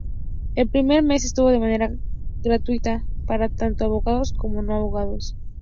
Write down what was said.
El primer mes estuvo de manera gratuita para tanto abonados como no abonados.